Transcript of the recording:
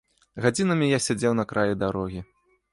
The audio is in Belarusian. Гадзінамі я сядзеў на краі дарогі.